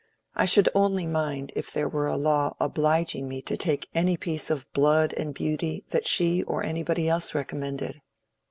I should only mind if there were a law obliging me to take any piece of blood and beauty that she or anybody else recommended."